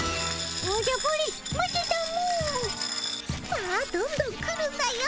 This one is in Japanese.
さあどんどん来るんだよ。